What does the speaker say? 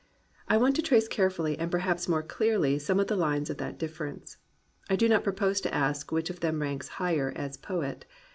I want to trace carefully and perhaps more clearly some of the lines of that difference. I do not pro pose to ask which of them ranks higher as poet.